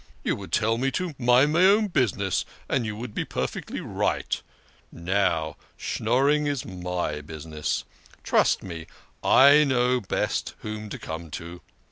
You would tell me to mind my own business ; and you would be perfectly right. Now Schnorring is my business. Trust me, I know best whom to come to.